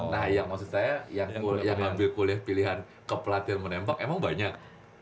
nah maksud saya yang ambil kuliah pilihan kepelatihan menembak emang banyak